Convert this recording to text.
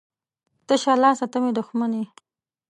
ـ تشه لاسه ته مې دښمن یې.